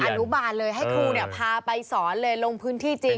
อนุบาลเลยให้ครูพาไปสอนเลยลงพื้นที่จริง